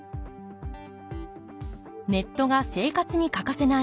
ネットが生活に欠かせない